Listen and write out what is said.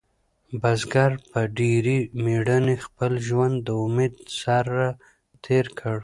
بزګر په ډېرې مېړانې خپل ژوند د امید سره تېر کړ.